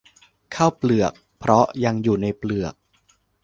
ข้าวเปลือก เพราะยังอยู่ในเปลือก